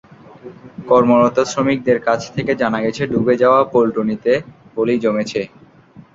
কর্মরত শ্রমিকদের কাছ থেকে জানা গেছে, ডুবে যাওয়া পন্টুনটিতে পলি জমেছে।